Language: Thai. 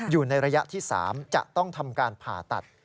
อยู่ในระยะที่๓จะต้องทำการผ่าตัด